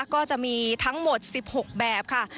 ก็จะมีทั้งหมด๑๖แบบค่ะ